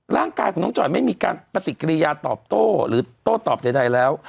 ร่างกายของน้องจอยไม่มีการปฏิกิริยาตอบโต้หรือโต้ตอบใดแล้ว